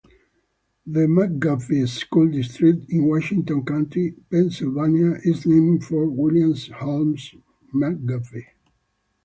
The McGuffey School District in Washington County, Pennsylvania is named for William Holmes McGuffey.